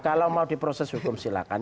kalau mau diproses hukum silakan